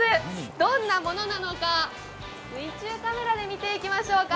どんなものなのか、水中カメラで見ていきましょうか。